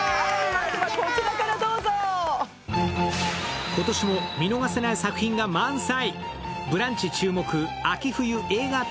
まずはこちらからどうぞ今年も見逃せない作品が満載！